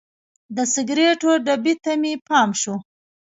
د سګریټو ډبي ته مې پام شو.